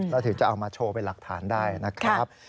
แล้วถึงจะเอามาโชว์เป็นหลักฐานได้นะครับ